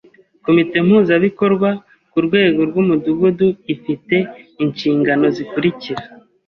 Komite mpuzabikorwa ku rwego rw’Umudugudu ifi te inshinganozikurikira: